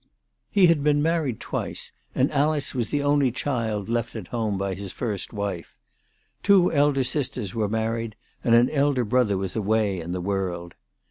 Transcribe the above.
He had been married twice, and Alice was the only child left at home by his first wife. Two elder sisters were married, and an elder brother was away in the world.